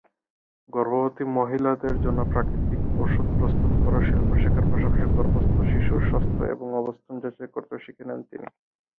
গর্ভবতী মহিলাদের জন্য প্রাকৃতিক ওষুধ প্রস্তুত করার শিল্প শেখার পাশাপাশি গর্ভস্থ শিশুর স্বাস্থ্য এবং অবস্থান যাচাই করতেও শিখে নেন তিনি।